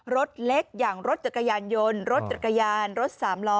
รถเล็กอย่างรถจักรยานยนต์รถจักรยานรถสามล้อ